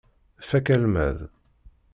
Fakk almad.